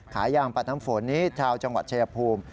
ขายยางปัดน้ำฝนนี้ชาวจังหวัดชายภูมิ